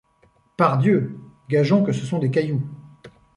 Pardieu ! gageons que ce sont des cailloux !